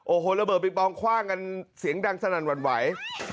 โอ้โหระเบิดปิงปองคว่างกันเสียงดังสนั่นหวั่นไหว